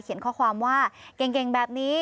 ข้อความว่าเก่งแบบนี้